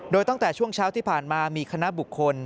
โดยตั้งแต่ช่วงเช้าที่ผ่านมามีคณะบุคคล